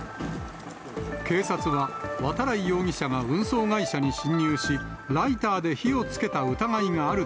警察は、渡来容疑者が運送会社に侵入し、ライターで火をつけた疑いがある